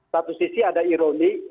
satu sisi ada ironi